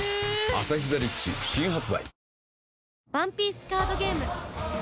「アサヒザ・リッチ」新発売